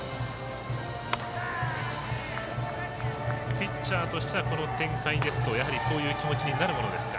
ピッチャーとしてはこの展開ですとそういう気持ちになるものですか。